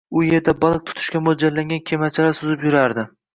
U erda baliq tutishga mo`ljallangan kemachalar suzib yurardi